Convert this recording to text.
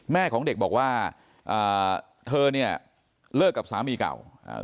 แม่ของเด็กบอกว่าอ่าเธอเนี่ยเลิกกับสามีเก่าอ่า